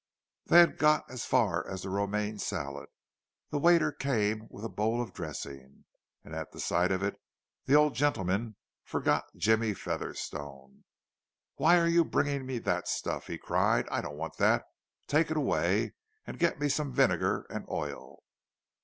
'" They had got as far as the romaine salad. The waiter came with a bowl of dressing—and at the sight of it, the old gentleman forgot Jimmie Featherstone. "Why are you bringing me that stuff?" he cried. "I don't want that! Take it away and get me some vinegar and oil."